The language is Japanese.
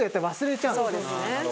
そうですね。